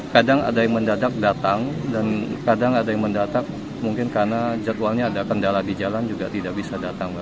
kadang ada yang mendadak datang dan kadang ada yang mendadak mungkin karena jadwalnya ada kendala di jalan juga tidak bisa datang